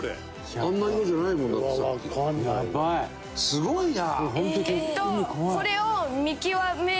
すごいな！